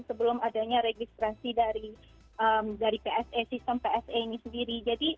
sebelum adanya registrasi dari psa sistem psa ini sendiri